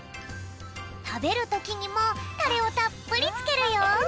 たべるときにもタレをたっぷりつけるよ！